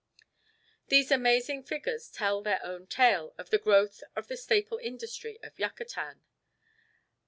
These amazing figures tell their own tale of the growth of the staple industry of Yucatan.